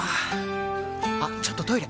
あっちょっとトイレ！